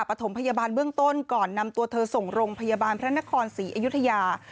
ปฐมพยาบาลเบื้องต้นก่อนนำตัวเธอส่งโรงพยาบาลพระนครศรีอยุธยา